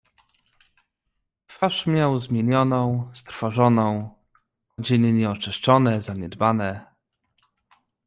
"Twarz miał zmienioną, strwożoną, odzienie nieoczyszczone, zaniedbane."